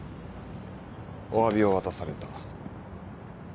お詫びを渡された。